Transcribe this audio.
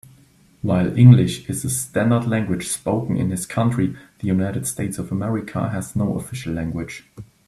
While English is the standard language spoken in his country, the United States of America has no official language.